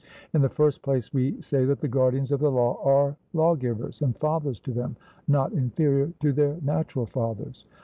In the first place, we say that the guardians of the law are lawgivers and fathers to them, not inferior to their natural fathers.